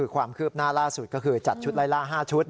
ความคืบหน้าล่าสุดก็คือจัดชุดไล่ล่า๕ชุด